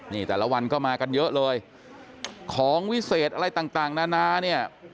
นี่แต่ละวันก็มากันเยอะเลยของวิเศษอะไรต่างนานาเนี่ย